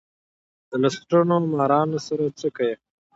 د لستوڼو مارانو سره څه کئ.